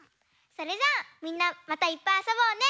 それじゃあみんなまたいっぱいあそぼうね！